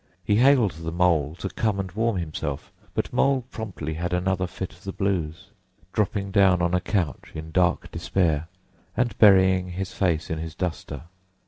He hailed the Mole to come and warm himself; but Mole promptly had another fit of the blues, dropping down on a couch in dark despair and burying his face in his duster.